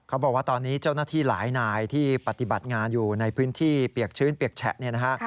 บอกว่าตอนนี้เจ้าหน้าที่หลายนายที่ปฏิบัติงานอยู่ในพื้นที่เปียกชื้นเปียกแฉะเนี่ยนะฮะ